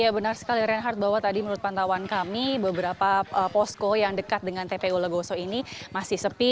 ya benar sekali reinhardt bahwa tadi menurut pantauan kami beberapa posko yang dekat dengan tpu legoso ini masih sepi